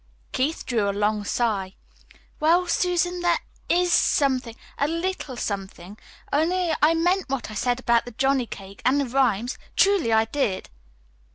Keith drew a long sigh. "Well, Susan, there IS something a little something only I meant what I said about the johnny cake and the rhymes; truly, I did."